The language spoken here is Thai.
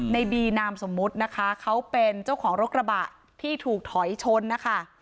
ในบีนามสมมุตินะคะเขาเป็นเจ้าของรถกระบะที่ถูกถอยชนนะคะ